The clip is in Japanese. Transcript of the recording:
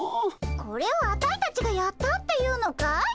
これをアタイたちがやったっていうのかい？